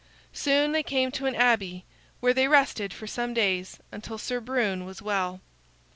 Soon they came to an abbey, where they rested for some days until Sir Brune was well.